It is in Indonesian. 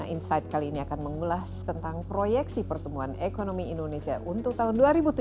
insight kali ini akan mengulas tentang proyeksi pertumbuhan ekonomi indonesia untuk tahun dua ribu tujuh belas